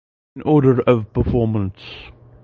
In order of performance.